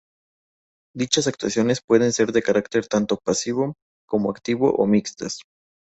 Dichas actuaciones pueden ser de carácter tanto pasivo, como activo o mixtas.